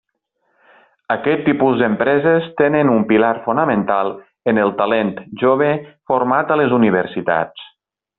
Aquest tipus d'empreses tenen un pilar fonamental en el talent jove format a les universitats.